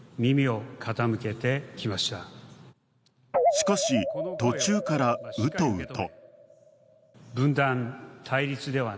しかし、途中からうとうと。